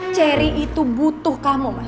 cherry itu butuh kamu mas